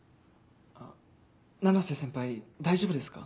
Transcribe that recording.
あ七瀬先輩大丈夫ですか？